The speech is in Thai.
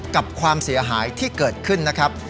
กับความเสียหายที่เกิดขึ้นนะครับ